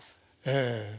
ええ。